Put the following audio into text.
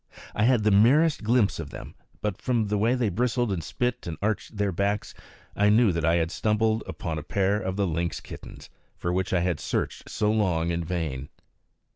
I had the merest glimpse of them; but from the way they bristled and spit and arched their backs, I knew that I had stumbled upon a pair of the lynx kittens, for which I had searched so long in vain.